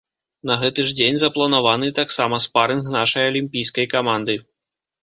На гэты ж дзень запланаваны тамсама спарынг нашай алімпійскай каманды.